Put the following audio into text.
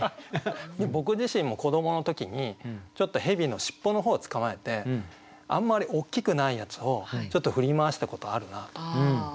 僕自身も子どもの時に蛇の尻尾の方捕まえてあんまり大きくないやつをちょっと振り回したことあるなと。